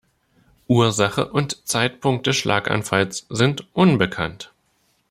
Ursache und Zeitpunkt des Schlaganfalls sind unbekannt.